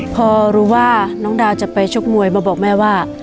พอรู้ว่าน้องดาวจะไปชกมวยมาบอกแม่ว่า